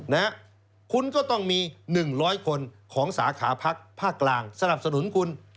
นะคุณก็ต้องมี๑๐๐คนของสาขาพักภาคกลางสนับสนุนคุณ